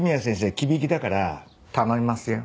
忌引だから頼みますよ。